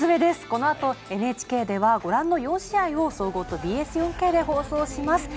このあとＮＨＫではご覧の４試合を総合とＢＳ４Ｋで放送します。